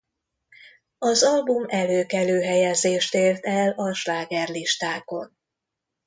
Az album előkelő helyezést ért el a slágerlistákon.